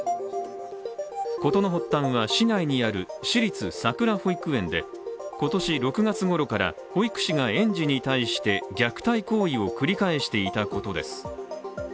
事の発端は、市内にある私立さくら保育園で今年６月ごろから保育士が園児に対して虐待行為を繰り返していたことです。